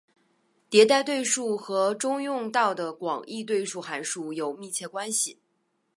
迭代对数和中用到的广义对数函数有密切关系。